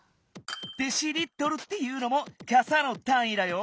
「デシリットル」っていうのもかさのたんいだよ。